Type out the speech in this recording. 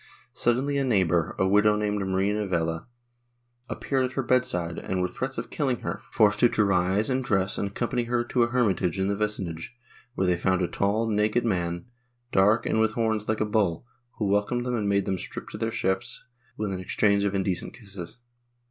vSuddenly a neighbor, a widow named Marina Vela, appeared at her bed side and, with threats of killing her, forced her to rise and dress and accompany her to a hermitage in the vicinage, where they found a tall, naked man, dark and with horns like a bull, who welcomed them and made them strip to their shifts, with an exchange of indecent kisses.